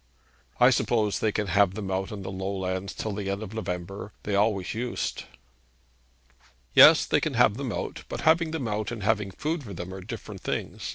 'I suppose they can have them out on the low lands till the end of November. They always used.' 'Yes; they can have them out; but having them out and having food for them are different things.